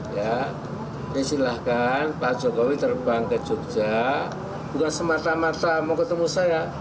saya silakan pak jokowi terbang ke yogyakarta bukan semata mata mau ketemu saya